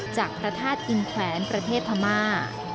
จากพระธาตุอินแขวนประเทศพม่า